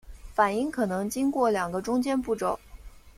反应可能经过两个中间步骤。